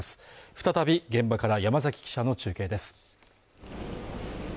再び現場から山崎記者の中継です